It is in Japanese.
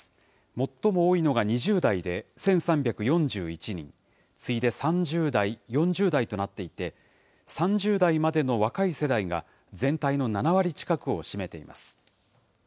最も多いのが２０代で１３４１人、次いで３０代、４０代となっていて、３０代までの若い世代が全体の７割近くを占めています。